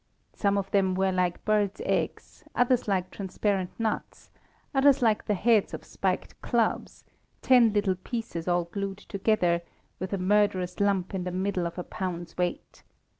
Some of them were like birds' eggs, others like transparent nuts, others like the heads of spiked clubs, ten little pieces all glued together, with a murderous lump in the middle of a pound's weight.